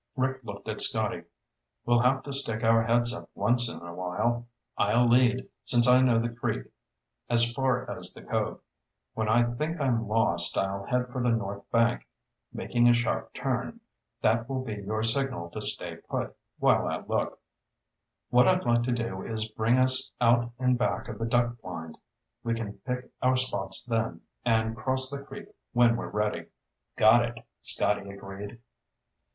Rick looked at Scotty. "We'll have to stick our heads up once in a while. I'll lead, since I know the creek as far as the cove. When I think I'm lost, I'll head for the north bank, making a sharp turn. That will be your signal to stay put, while I look. What I'd like to do is bring us out in back of the duck blind. We can pick our spots then and cross the creek when we're ready." "Got it," Scotty agreed.